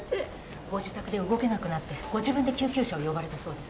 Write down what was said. ご自宅で動けなくなってご自分で救急車を呼ばれたそうです。